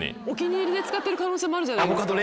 お気に入りで使ってる可能性もあるじゃないですか。